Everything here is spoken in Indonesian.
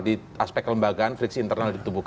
di aspek kelembagaan friksi internal di tubuh kpk